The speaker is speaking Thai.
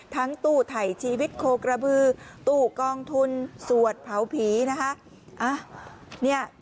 ทั้งตู้ไถ่ชีวิตโคกระบือตู้กองทุนสวดเผาผีนะคะ